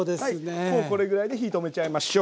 もうこれぐらいで火止めちゃいましょう。